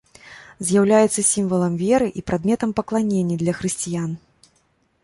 З'яўляюцца сімвалам веры і прадметам пакланення для хрысціян.